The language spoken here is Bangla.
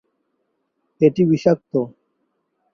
এটি বিষাক্ত।